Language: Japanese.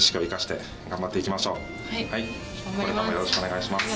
よろしくお願いします。